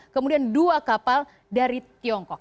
kemudian dua kapal dari tiongkok